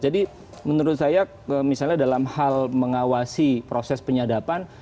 jadi menurut saya misalnya dalam hal mengawasi proses penyadapan